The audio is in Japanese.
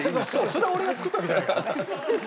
それは俺が作ったわけじゃないからね。